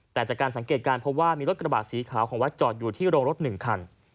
แต่จากการสังเกตการณ์พบว่ามีรถกระบาดสีขาวของวัดจอดอยู่ที่โรงรถ๑คัน